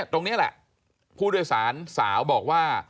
ตรงนี้แหละผู้โดยสารสาวบอกว่า